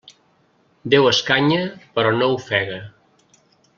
Déu escanya però no ofega.